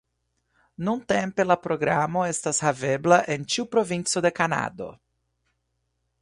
Nuntempe la programo estas havebla en ĉiu provinco de Kanado.